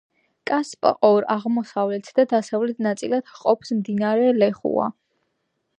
კასპს ორ: აღმოსავლეთ და დასავლეთ ნაწილებად ჰყოფს მდინარე ლეხურა.